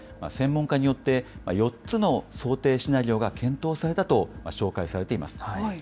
専門家によって４つの想定シナリオが検討されたと、紹介されています。